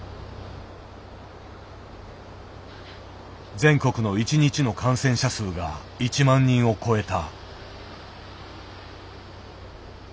全国の一日の感染者数が１万人を超えた。